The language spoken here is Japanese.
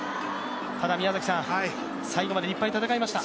ただ、最後まで立派に戦いました。